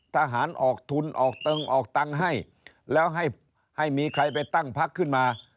ทหารออกทุนออกตึงออกตังค์ให้แล้วให้มีใครไปตั้งพักขึ้นมา